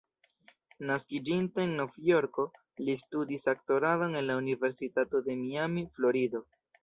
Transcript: Naskiĝinte en Novjorko, li studis aktoradon en la Universitato de Miami, Florido.